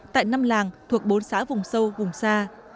tại năm làng thuộc bốn xã vùng sâu vùng xa